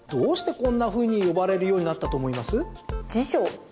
どうしてこんなふうに呼ばれるようになったと思います？